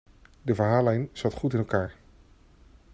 De verhaallijn zat goed in elkaar.